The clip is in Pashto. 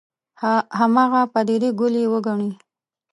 هماغه پدیدې کُل یې وګڼي.